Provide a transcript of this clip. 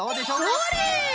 それ！